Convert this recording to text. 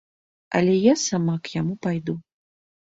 Але я сама к яму пайду.